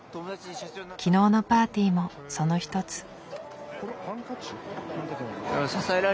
昨日のパーティーもその一つ。